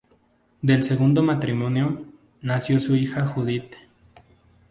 Del segundo matrimonio, nació su hija Judith.